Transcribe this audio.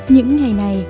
những ngày này